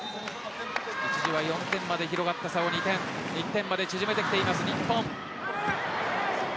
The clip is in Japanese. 一時は４点まで広がった差を１点まで縮めてきています、日本。